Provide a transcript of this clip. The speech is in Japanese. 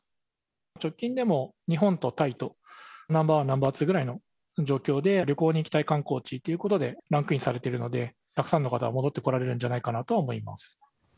直近でも、日本とタイとナンバー１、ナンバー２ぐらいの状況で、旅行に行きたい観光地ということでランクインされているので、たくさんの方が戻ってこられるんじゃないかなとは思います。